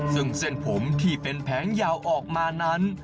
ซึ่งเส้นผมที่เป็นแผงยาวออกมานั้น